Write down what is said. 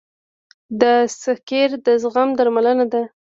د سکېر د زخم درملنه ده.